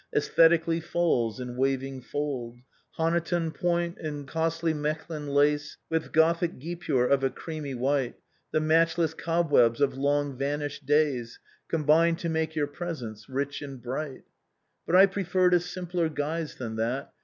iEstheticallly falls in waving fold ; "Honiton point and costly Mechlin lace, With gothic guipure of a creamy white — The matchless cobwebs of long vanished days — Combine to make your presence rich and bright. " But I preferred a simpler guise than that.